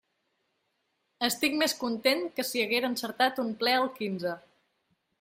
Estic més content que si haguera encertat un ple al quinze.